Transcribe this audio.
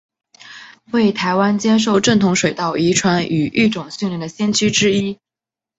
为台湾接受正统水稻遗传与育种训练的先驱之一。